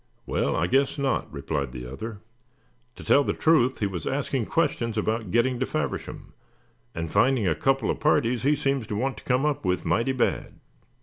"Well, I guess not," replied the other, "to tell the truth, he was asking questions about getting to Faversham, and finding a couple of parties he seems to want to come up with mighty bad.